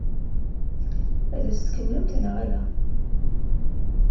Ad tt-tkemmlemt neɣ ala?